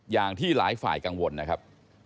อย่างที่หลายฝ่ายกังวลนะครับ